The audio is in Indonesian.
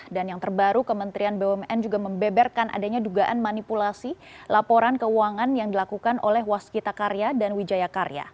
dan yang terbaru kementerian bumn juga membeberkan adanya dugaan manipulasi laporan keuangan yang dilakukan oleh waskita karya dan wijaya karya